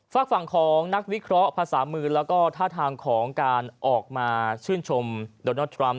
ฝากฝั่งของนักวิเคราะห์ภาษามือแล้วก็ท่าทางของการออกมาชื่นชมโดนัลดทรัมป